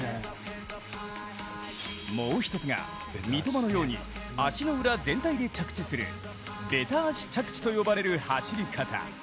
もう１つが、三笘のように足の裏全体で着地するべた足着地と言われる走り方。